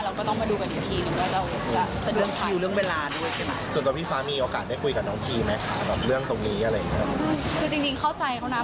เราก็ต้องมาดูกันอีกทีหรือว่าจะ